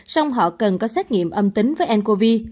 xong họ cần có xét nghiệm âm tính với ncov